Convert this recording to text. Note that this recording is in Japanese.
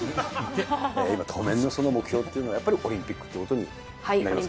今、当面の目標というのはやっぱりオリンピックっていうことになりますか？